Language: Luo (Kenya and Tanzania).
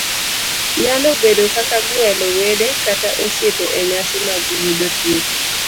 nyalo bedo kaka gwelo wede kata osiepe e nyasi mag yudo thieth,